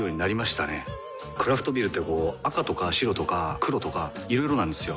クラフトビールってこう赤とか白とか黒とかいろいろなんですよ。